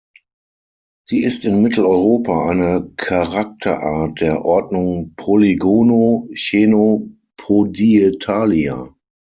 Sie ist in Mitteleuropa eine Charakterart der Ordnung Polygono-Chenopodietalia.